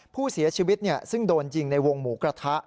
ผู้เสียชีวิตซึ่งโดนยิงในวงหมูกระทะ